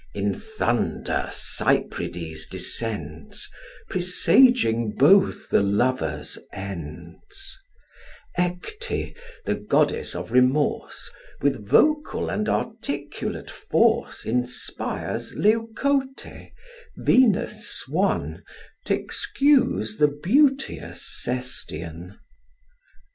In thunder Cyprides descends, Presaging both the lovers' ends: Ecte, the goddess of remorse, With vocal and articulate force Inspires Leucote, Venus' swan, T' excuse the beauteous Sestian.